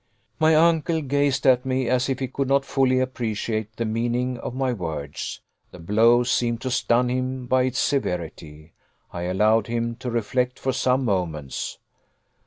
My uncle gazed at me as if he could not fully appreciate the meaning of my words. The blow seemed to stun him by its severity. I allowed him to reflect for some moments.